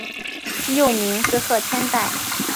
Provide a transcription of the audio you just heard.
幼名是鹤千代。